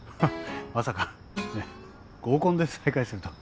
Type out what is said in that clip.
まさかね合コンで再会するとは。